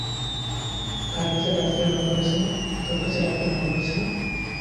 তোর কাছে ডাক্তারের নাম্বার আছে না?